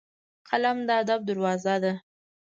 قلم د ادب دروازه ده